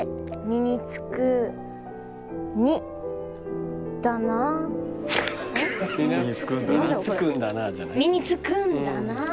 「身につくんだなあ」